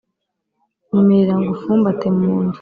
Nyemerera ngufumbate mu nda.